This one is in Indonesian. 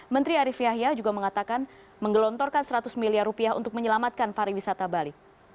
menteri arief yahya juga mengatakan menggelontorkan seratus miliar rupiah untuk menyelamatkan pariwisata bali